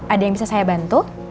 ada yang bisa saya bantu